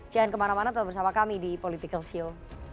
jangan kemana mana tetap bersama kami di politikalsio